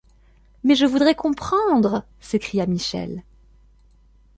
Mais je voudrais comprendre! s’écria Michel.